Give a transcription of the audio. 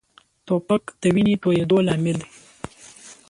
توپک د وینې تویېدو لامل دی.